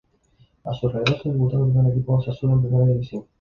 A su regreso, debutó en el primer equipo de Osasuna en Primera División.